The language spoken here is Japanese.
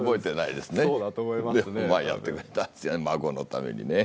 孫のためにね